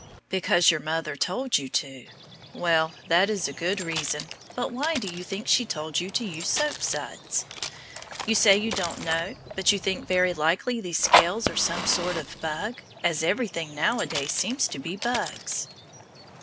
Because your mother told you to; well, that is a good reason, but why do you think she told you to use soap suds? You say you don't know, but you think very likely these scales are some sort of bug, as everything nowadays seems to be bugs.